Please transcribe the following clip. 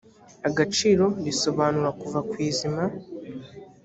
agaciro risobanura kuva ku izima